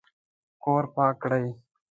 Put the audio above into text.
کور پاک کړئ